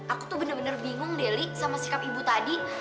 aku tuh bener bener bingung deli sama sikap ibu tadi